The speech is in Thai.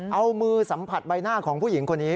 เอามือสัมผัสใบหน้าของผู้หญิงคนนี้